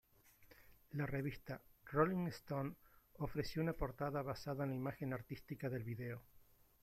La revista "Rolling Stone" ofreció una portada basada en la imagen artística del video.